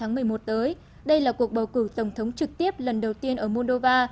vào ngày một mươi ba tháng một mươi một tới đây là cuộc bầu cử tổng thống trực tiếp lần đầu tiên ở moldova